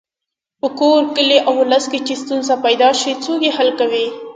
په کور، کلي او ولس کې چې ستونزه پیدا شي څوک یې حل کوي.